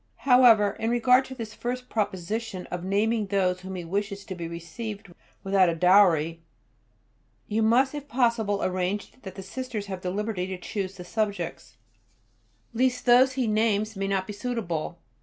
However, in regard to this first proposition of naming those whom he wishes to be received without a dowry, you must if possible arrange that the Sisters have the liberty to choose the subjects, lest those he names may not be suitable.